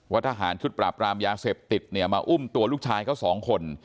ทหารชุดปราบรามยาเสพติดเนี่ยมาอุ้มตัวลูกชายเขาสองคน